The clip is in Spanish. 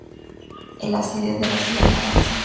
El asedio de la ciudad no avanza.